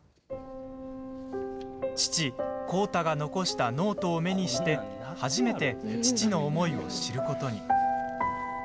父、浩太が残したノートを目にして初めて父の思いを知ることに。